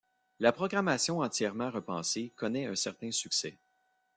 La programmation, entièrement repensée, connaît un certain succès.